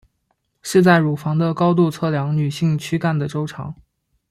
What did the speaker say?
是在乳房的高度测量女性躯干的周长。